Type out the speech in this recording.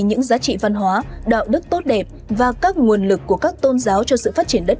những giá trị văn hóa đạo đức tốt đẹp và các nguồn lực của các tôn giáo cho sự phát triển đất